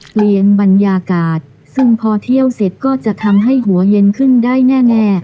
เปลี่ยนบรรยากาศซึ่งพอเที่ยวเสร็จก็จะทำให้หัวเย็นขึ้นได้แน่